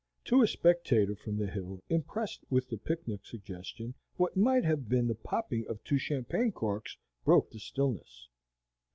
To a spectator from the hill, impressed with the picnic suggestion, what might have been the popping of two champagne corks broke the stillness.